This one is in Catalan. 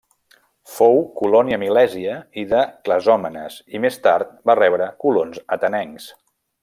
Fou colònia milèsia i de Clazòmenes i més tard va rebre colons atenencs.